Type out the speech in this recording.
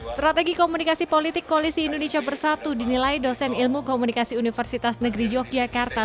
strategi komunikasi politik koalisi indonesia bersatu dinilai dosen ilmu komunikasi universitas negeri yogyakarta